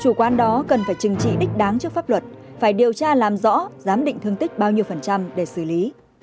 thủ quán đó cần phải trừng trị đích đáng trước pháp luật phải điều tra làm rõ giám định thương tích bao nhiêu phần trăm để xử lý